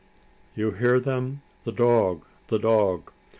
(You hear them? the dog the dog!)